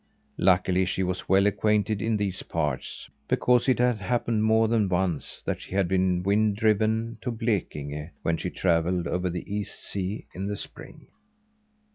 Luckily, she was well acquainted in these parts, because it had happened more than once that she had been wind driven to Blekinge when she travelled over the East sea in the spring.